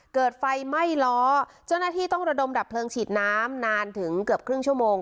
เกิดไฟไหม้ล้อเจ้าหน้าที่ต้องระดมดับเพลิงฉีดน้ำนานถึงเกือบครึ่งชั่วโมง